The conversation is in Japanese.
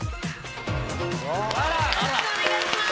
よろしくお願いします！